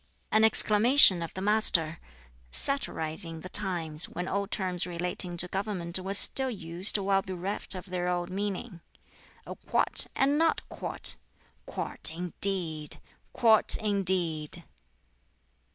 An exclamation of the Master (satirizing the times, when old terms relating to government were still used while bereft of their old meaning): "A quart, and not a quart! quart, indeed! quart, indeed!"